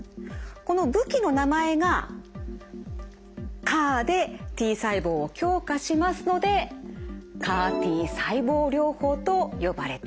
この武器の名前が「ＣＡＲ」でＴ細胞を強化しますのでＣＡＲ−Ｔ細胞療法と呼ばれています。